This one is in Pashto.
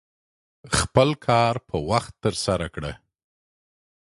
خپل کار په وخت ترسره کړه.